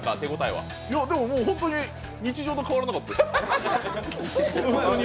でも本当に日常と変わらなかったです。